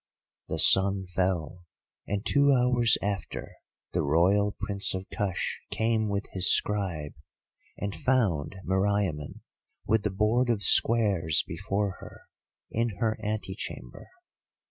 "The sun fell, and two hours after the Royal Prince of Kush came with his scribe, and found Meriamun with the board of squares before her, in her antechamber.